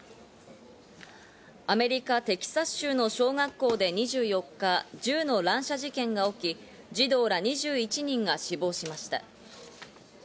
アメリカ・テキサス州の小学校で２４日、銃の乱射事件が起き、児童ら２１人が死亡しました。